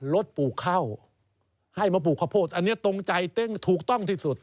ลูกปลูกข้าวให้มาปลูกข้าวโพดอันนี้ตรงใจเต้งถูกต้องที่สุด